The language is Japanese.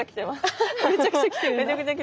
めちゃくちゃ来てます。